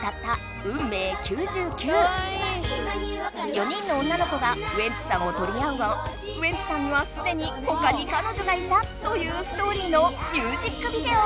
４人の女の子がウエンツさんをとり合うがウエンツさんにはすでにほかに彼女がいたというストーリーのミュージックビデオ。